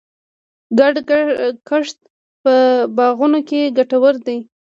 ګډ کښت په باغونو کې ګټور دی.